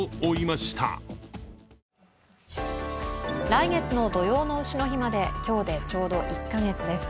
来月の土用の丑の日まで、今日でちょうど１カ月です。